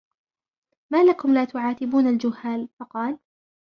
مَا لَكُمْ لَا تُعَاتِبُونَ الْجُهَّالَ ؟ فَقَالَ